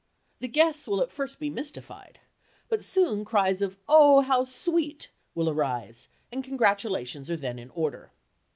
The guests will at first be mystified, but soon cries of "Oh, how sweet!" will arise and congratulations are then in order.